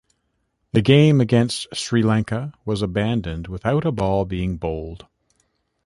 The game against Sri Lanka was abandoned without a ball being bowled.